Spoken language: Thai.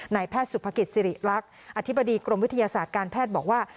แพทย์สุภกิจสิริรักษ์อธิบดีกรมวิทยาศาสตร์การแพทย์บอกว่า